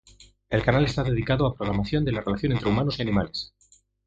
El canal está dedicado a programación de la relación entre humanos y animales.